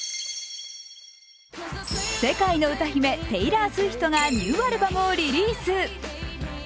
世界の歌姫、テイラー・スウィフトがニューアルバムをリリース！